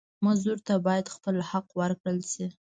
مزدور ته باید خپل حق ورکړل شي.